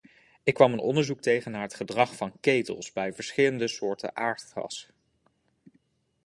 Ik kwam een onderzoek tegen naar het gedrag van ketels bij verschillende soorten aardgas.